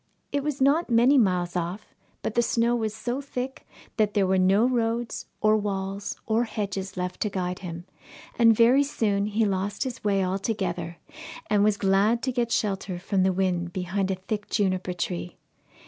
It was not many miles off, but the snow was so thick that there were no roads, or walls, or hedges left to guide him, and very soon he lost his way altogether, and was glad to get shelter from the wind behind a thick juniper tree.